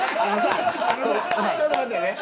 ちょっと待ってね。